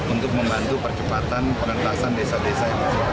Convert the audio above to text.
untuk membantu percepatan penentasan desa desa